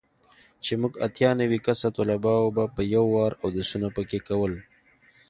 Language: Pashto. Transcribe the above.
چې موږ اتيا نوي کسه طلباو به په يو وار اودسونه پکښې کول.